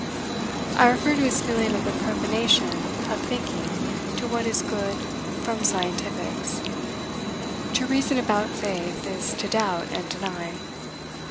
I refer to his feeling of the profanation of thinking to what is good "from scientifics." "To reason about faith, is to doubt and deny."